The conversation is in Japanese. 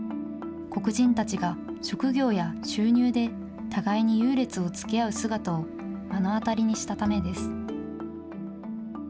黒人たちが、職業や収入で互いに優劣をつけ合う姿を目の当たりにしたためです。